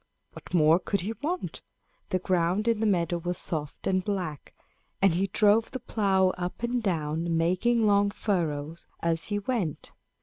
What more could he want? The ground in the meadow was soft and black, and he drove the plow up and down, making long furrows as he went.